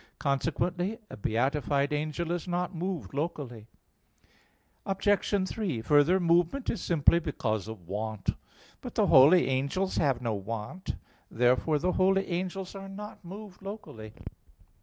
Consequently a beatified angel is not moved locally. Obj. 3: Further, movement is simply because of want. But the holy angels have no want. Therefore the holy angels are not moved locally.